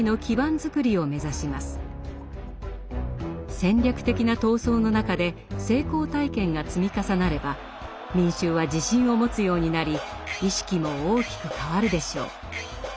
戦略的な闘争の中で成功体験が積み重なれば民衆は自信を持つようになり意識も大きく変わるでしょう。